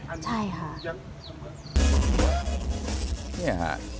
ใช่ค่ะ